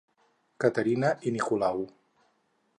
Caterina i Nicolau.